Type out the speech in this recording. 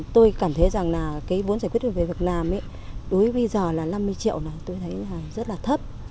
tôi cảm thấy rằng vốn giải quyết việc làm đối với bây giờ là năm mươi triệu tôi thấy rất là thấp